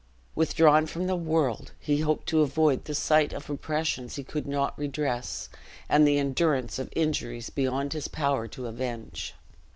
Withdrawn from the world, he hoped to avoid the sight of oppressions he could not redress, and the endurance of injuries beyond his power to avenge.